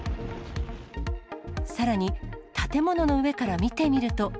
さらに建物の上から見てみると。